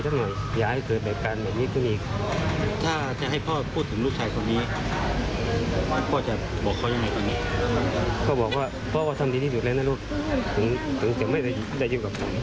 ว่าเขาอยู่ในตรงนี้